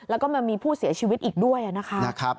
แล้วก็มันมีผู้เสียชีวิตอีกด้วยนะคะ